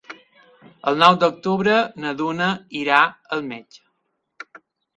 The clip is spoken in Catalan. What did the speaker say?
El nou d'octubre na Duna irà al metge.